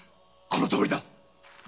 このとおりだ。